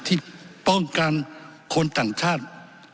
ที่ป้องกันคนต่างชาติ